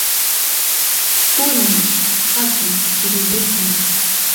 kunish hatun kiruyuqmi.